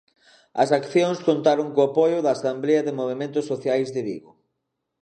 As accións contaron co apoio da Asemblea de Movementos Sociais de Vigo.